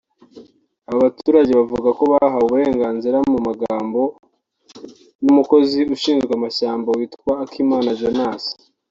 Aba baturage bavuga ko bahawe uburenganzira mu magambo n’umukozi ushinzwe amashyamba witwa Akimana Jonas